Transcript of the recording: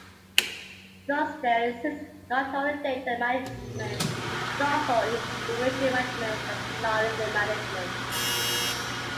Thus there exists not only data management, but also information management and knowledge management.